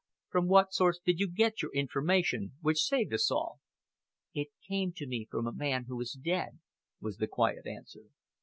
"From what source did you get your information which saved us all?" "It came to me from a man who is dead," was the quiet answer.